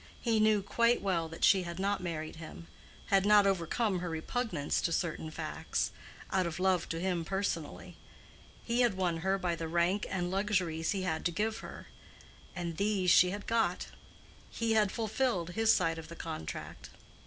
He knew quite well that she had not married him—had not overcome her repugnance to certain facts—out of love to him personally; he had won her by the rank and luxuries he had to give her, and these she had got: he had fulfilled his side of the contract.